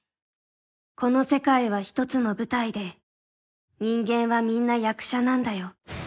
「この世界は１つの舞台で人間はみんな役者なんだよ」